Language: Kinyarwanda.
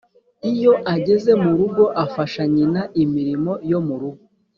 Iyo ageze mu rugo afasha nyina imirimo yo mu rugo